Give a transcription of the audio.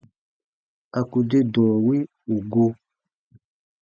A ku de dɔ̃ɔ wi ù gu.